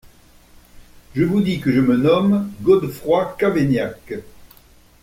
Je vous dis que je me nomme Godefroy Cavaignac.